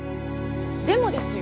でもですよ